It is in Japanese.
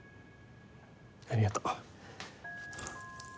ありがとう。